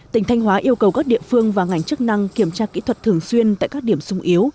tỉnh thanh hóa yêu cầu các địa phương và ngành chức năng kiểm tra kỹ thuật thường xuyên tại các điểm sung yếu